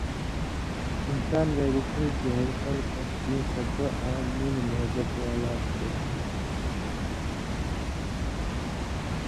انسان گے رُپئ تھی ہاریۡ خلکہ تیں سکہ آں مِنہۡ محبت والا تھو